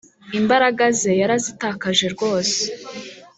imbaraga ze yarazitakaje zose